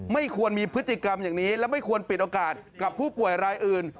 ไม่ควรมีพฤติกรรมอย่างนี้และไม่ควรปิดโอกาสกับผู้ป่วยรายอื่น